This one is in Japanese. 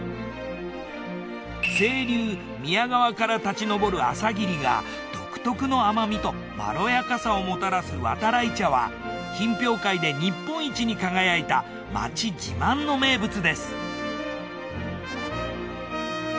清流宮川から立ち上る朝霧が独特の甘みとまろやかさをもたらすわたらい茶は品評会で日本一に輝いた町自慢の名物です。